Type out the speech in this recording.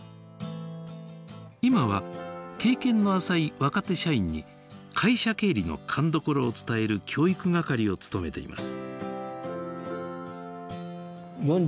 今は経験の浅い若手社員に会社経理の勘どころを伝える教育係を務めています。